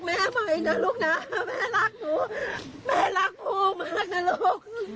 มาเกิดเป็นลูกแม่ใหม่นะลูกนะแม่รักหนูแม่รักผู้มากนะลูก